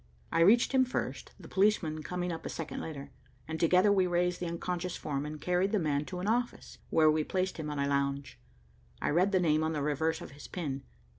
I reached him first, the policeman coming up a second later, and together we raised the unconscious form and carried the man to an office, where we placed him on a lounge. I read the name on the reverse of his pin.